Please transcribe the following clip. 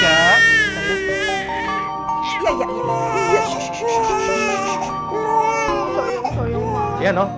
ya pak alhamdulillah boleh pak